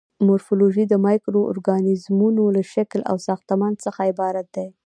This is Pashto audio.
مورفولوژي د مایکرو ارګانیزمونو له شکل او ساختمان څخه عبارت دی.